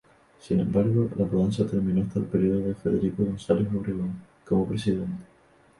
Sin embargo, la mudanza terminó hasta el período de Federico González Obregón como presidente.